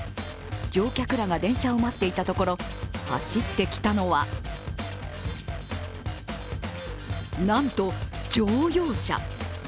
乗客らが電車を待っていたところ走ってきたのはなんと、乗用車。